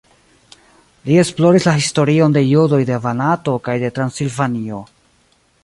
Li esploris la historion de judoj de Banato kaj de Transilvanio.